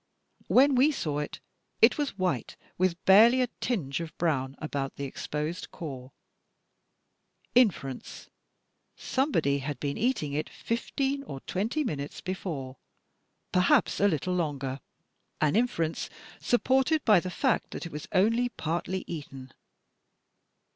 When we saw it, it was white with barely a tinge of brown about the exposed core. Infer ence: somebody had been eating it fifteen or twenty minutes before, perhaps a little longer — an inference supported by the fact that it was only partly eaten.